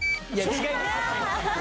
違います